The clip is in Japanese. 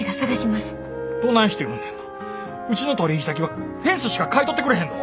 うちの取引先はフェンスしか買い取ってくれへんぞ。